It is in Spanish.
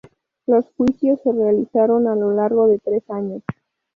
Los juicios se realizaron a lo largo de tres años.